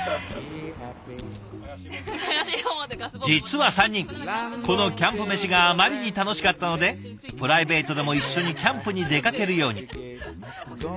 実は３人このキャンプメシがあまりに楽しかったのでプライベートでも一緒にキャンプに出かけるように。